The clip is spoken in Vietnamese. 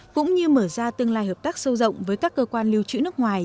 cũng như mở ra tương lai hợp tác sâu rộng với các cơ quan lưu trữ nước ngoài